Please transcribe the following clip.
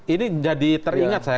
ini jadi teringat saya